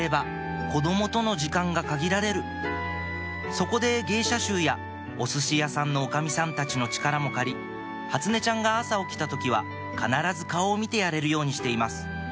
そこで芸者衆やおすし屋さんのおかみさんたちの力も借り初音ちゃんが朝起きた時は必ず顔を見てやれるようにしています